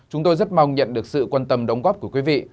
chúng tôi rất mong nhận được sự quan tâm đóng góp của quý vị